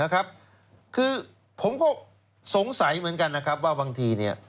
คือผมก็สงสัยเหมือนกันนะครับว่าบางที